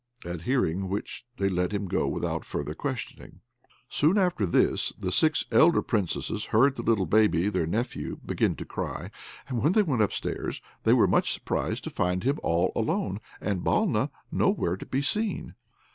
At hearing which they let him go without further questioning. Soon after this, the six elder Princesses heard the little baby, their nephew, begin to cry, and when they went upstairs they were much surprised to find him all alone, and Balna nowhere to be seen.